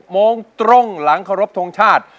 ๖โมงตรงหลังเคราะห์ภูมิชาติ